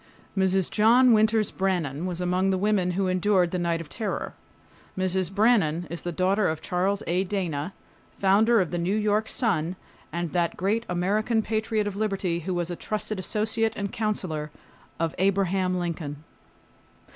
Mrs. John Winters Brannan was among the women who endured the "night of terror." Mrs. Brannan is the daughter of Charles A. Dana, founder of the New York Sun and that great American patriot of liberty who was a trusted associate and counselor of Abraham Lincoln.